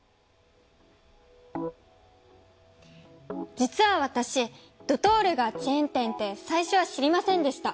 実は私ドトールがチェーン店って最初は知りませんでした。